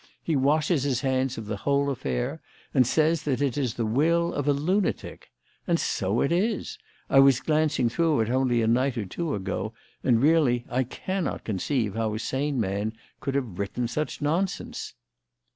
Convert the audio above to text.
He washes his hands of the whole affair, and says that it is the will of a lunatic. And so it is. I was glancing through it only a night or two ago, and really I cannot conceive how a sane man could have written such nonsense."